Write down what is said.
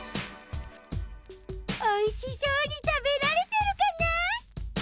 おいしそうにたべられてるかな？